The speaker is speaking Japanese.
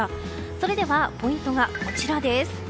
それではポイントがこちらです。